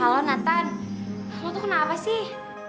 halo nathan lo tuh kenapa sih